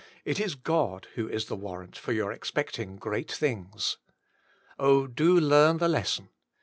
It is God, who is the warrant for your expecting great things. Oh, do learn the lesson.